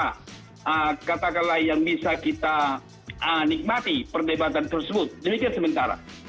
ada katakanlah yang bisa kita nikmati perdebatan tersebut demikian sementara